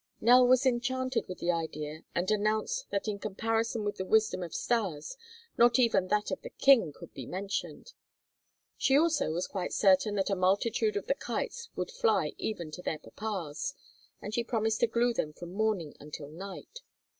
Nell was enchanted with the idea and announced that in comparison with the wisdom of Stas not even that of the King could be mentioned. She also was quite certain that a multitude of the kites would fly even to their papas, and she promised to glue them from morning until night.